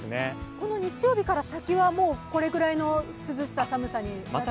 この日曜日から先はこれぐらいの涼しさ寒さになっていくんですか？